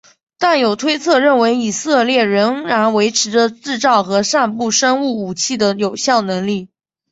但有推测认为以色列仍然维持着制造和散布生物武器的有效能力。